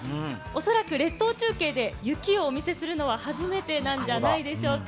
恐らく列島中継で雪をお見せするのは初めてなんじゃないでしょうか。